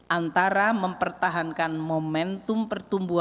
antara mempertahankan momentum pertumbuhan